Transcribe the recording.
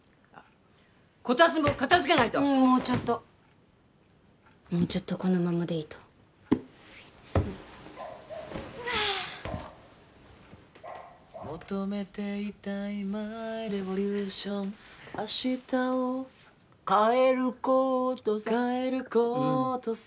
こたつも片付けないとううんもうちょっともうちょっとこのままでいいとああっ求めていたいＭｙＲｅｖｏｌｕｔｉｏｎ明日を変えることさ変えることさ